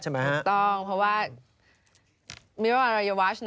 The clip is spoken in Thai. และเจอกันทีและเล่น